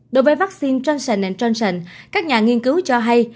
đối với vaccine johnson johnson các nhà nghiên cứu cho hay